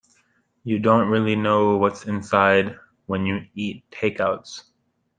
You don't really know what's inside when you eat takeouts.